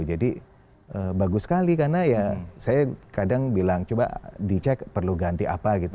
jadi bagus sekali karena ya saya kadang bilang coba dicek perlu ganti apa gitu